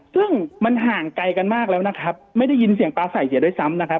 ซึ่งมันห่างไกลกันมากแล้วนะครับไม่ได้ยินเสียงปลาใส่เสียด้วยซ้ำนะครับ